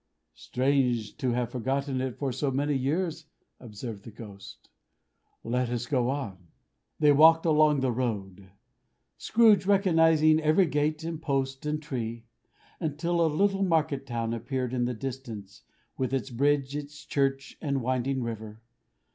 "Strange to have forgotten it for so many years!" observed the Ghost. "Let us go on." They walked along the road, Scrooge recognizing every gate, and post, and tree; until a little market town appeared in the distance, with its bridge, its church, and winding river.